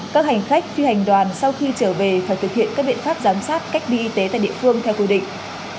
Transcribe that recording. các hành khách phi hành đoàn sau khi trở về phải thực hiện các biện pháp giám sát cách ly y tế tại địa phương theo quy định